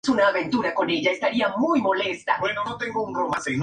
Es el primer cementerio del mundo en introducir esta innovación.